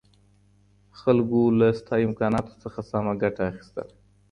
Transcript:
خلګو له شته امکاناتو څخه سمه ګټه اخیستله.